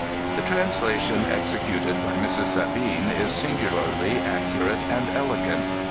The translation executed by Mrs. Sabine is singularly accu rate and elegant.